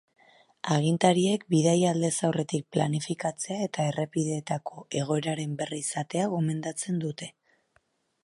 Agintariek bidaia aldez aurretik planifikatzea eta errepideetako egoeraren berri izatea gomendatzen dute.